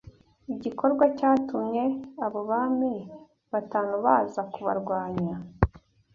igikorwa cyatumye abo bami batanu baza kubarwanya